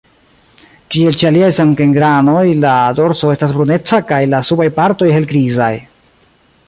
Kiel ĉe aliaj samgenranoj la dorso estas bruneca kaj la subaj partoj helgrizaj.